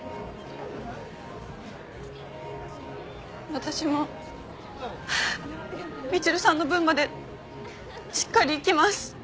私もみちるさんの分までしっかり生きます。